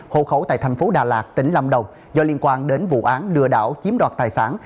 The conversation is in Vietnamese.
hộ khẩu tại thành phố đà lạt tỉnh lâm đồng do liên quan đến vụ án lừa đảo chiếm đoạt tài sản